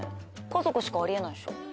家族しかあり得ないっしょ？